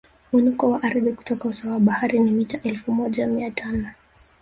Mwinuko wa ardhi kutoka usawa wa bahari ni mita elfu moja mia tano